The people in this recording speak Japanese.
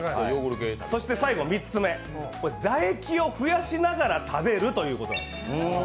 そして最後、３つ目、唾液を増やしながら食べるということです。